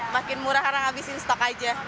makin murah karena ngabisin stok aja